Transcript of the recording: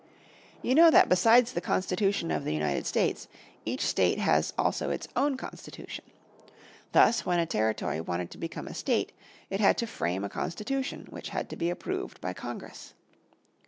You know that besides the Constitution of the United States each state has also its own constitution. Thus when a territory wanted to become a state it had to frame a constitution which had to be approved by Congress.